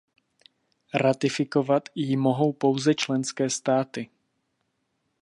Ratifikovat ji mohou pouze členské státy.